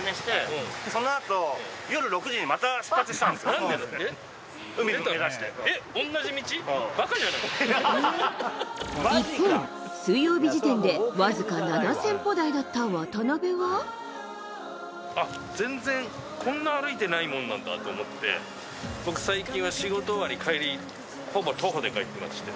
一方、水曜日時点で僅かあっ、全然、こんな歩いてないもんなんだと思って、僕、最近は仕事終わり、帰り、ほぼ徒歩で帰っていまして。